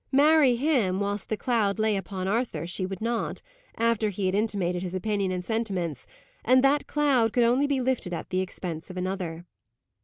Marry him, whilst the cloud lay upon Arthur, she would not, after he had intimated his opinion and sentiments: and that cloud could only be lifted at the expense of another.